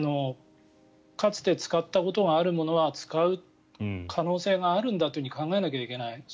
かつて使ったことがあるものは使う可能性があるんだと考えなければいけない。